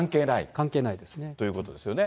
関係ないですね。ということですよね。